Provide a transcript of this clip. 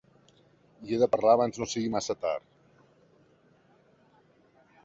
Hi he de parlar abans no sigui massa tard.